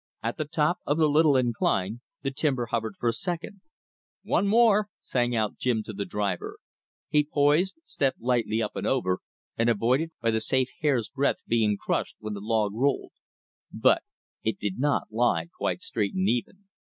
At the top of the little incline, the timber hovered for a second. "One more!" sang out Jim to the driver. He poised, stepped lightly up and over, and avoided by the safe hair's breadth being crushed when the log rolled. But it did not lie quite straight and even.